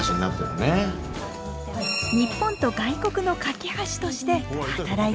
日本と外国の架け橋として働いています。